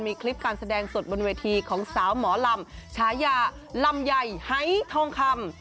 มีคลิปการแสดงสดบนเวทีของสาวหมอลำชายาลำไยหายทองคำ